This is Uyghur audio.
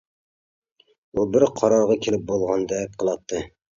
ئۇ بىر قارارغا كېلىپ بولغاندەك قىلاتتى.